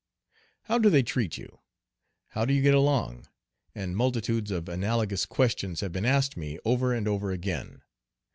"How do they treat you?" "How do you get along?" and multitudes of analogous questions have been asked me over and over again.